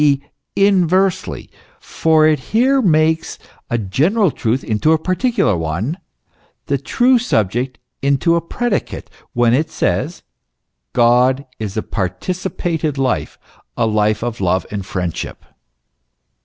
e., inversely, for it here makes a general truth into a particular one, the true subject into a predicate, when it says: God is a participated life, a life of love and friendship.